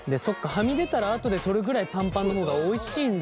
はみ出たらあとで取るぐらいパンパンの方がおいしいんだ。